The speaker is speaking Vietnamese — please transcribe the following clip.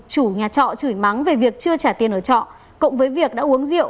chủ nhà trọ chửi mắng về việc chưa trả tiền ở trọ cộng với việc đã uống rượu